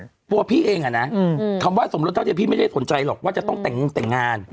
ตัวพี่เองอ่ะนะคำว่าสมรสเท่าที่พี่ไม่ได้สนใจหรอกว่าจะต้องแต่งงแต่งงาน